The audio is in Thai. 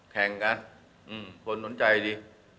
แข่งกันคนสนใจดิ